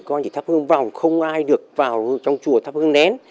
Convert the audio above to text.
có thể thắp hương vàng không ai được vào trong chùa thắp hương nén